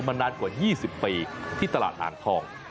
นานกว่า๒๐ปีที่ตลาดอ่างทอง